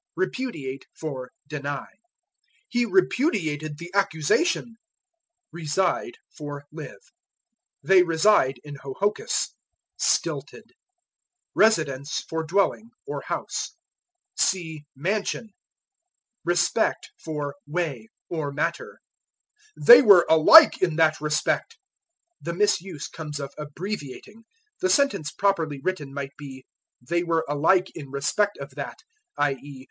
Repudiate for Deny. "He repudiated the accusation." Reside for Live. "They reside in Hohokus." Stilted. Residence for Dwelling, or House. See Mansion. Respect for Way, or Matter. "They were alike in that respect." The misuse comes of abbreviating: the sentence properly written might be, They were alike in respect of that i.e.